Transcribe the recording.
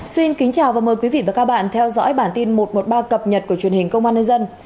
xin kính chào và mời quý vị và các bạn theo dõi bản tin một trăm một mươi ba cập nhật của truyền hình công an nhân dân